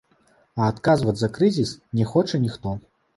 А адказваць за крызіс не хоча ніхто.